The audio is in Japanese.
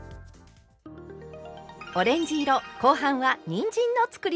オレンジ色後半はにんじんのつくりおきです。